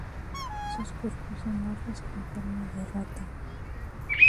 Sus cuerpos son largos con forma de rata.